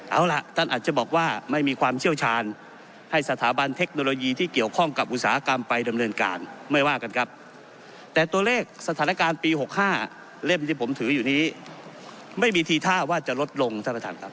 เอาล่ะท่านอาจจะบอกว่าไม่มีความเชี่ยวชาญให้สถาบันเทคโนโลยีที่เกี่ยวข้องกับอุตสาหกรรมไปดำเนินการไม่ว่ากันครับแต่ตัวเลขสถานการณ์ปี๖๕เล่มที่ผมถืออยู่นี้ไม่มีทีท่าว่าจะลดลงท่านประธานครับ